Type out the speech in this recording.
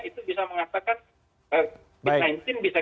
itu bisa mengatakan bisa kita kendalikan